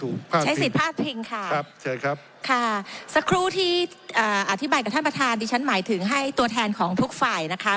หากใช้สิทธิภาพพิกษาถ้าอยากครับขออธิบายมาถัดที่ฉันหมายถึงให้ตัวแทนของทุกฝ่ายนะคะ